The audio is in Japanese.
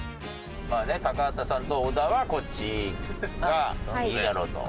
まあね高畑さんと小田はこっちがいいだろうと。